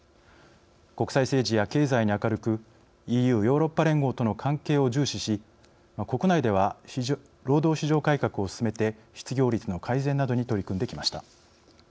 国際政治や経済に明るくＥＵ＝ヨーロッパ連合との関係を重視し国内では労働市場改革を進めて失業率の改善などに取り組んできました。